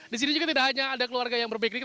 di sini juga tidak hanya ada keluarga yang berpikir